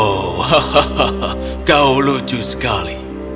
oh kau lucu sekali